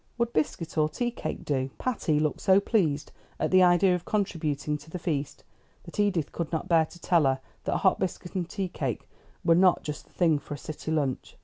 Would biscuit or tea cake do?" Patty looked so pleased at the idea of contributing to the feast, that Edith could not bear to tell her that hot biscuit and tea cake were not just the thing for a city lunch.